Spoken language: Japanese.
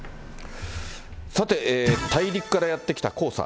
さて、大陸からやって来た黄砂。